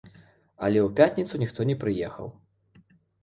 Але ў пятніцу ніхто не прыехаў.